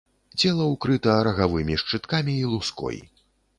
Цела ўкрыта рагавымі шчыткамі і луской.